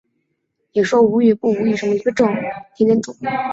林爽文红花介为鱼形介科红花介属下的一个种。